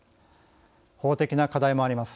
法的な課題もあります。